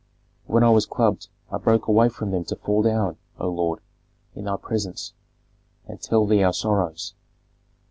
When I was clubbed I broke away from them to fall down, O lord, in thy presence, and tell thee our sorrows.